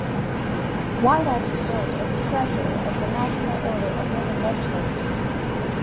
White also served as treasurer of the National Order of Women Legislators.